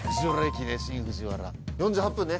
４８分ね。